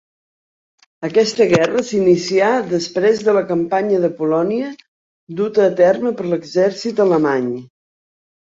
Aquesta guerra s'inicià després de la Campanya de Polònia duta a terme per l'exèrcit alemany.